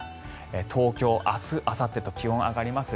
東京は明日あさってと気温が上がります。